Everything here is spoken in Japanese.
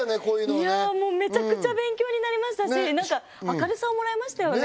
いやぁもうめちゃくちゃ勉強になりましたし明るさをもらえましたよね。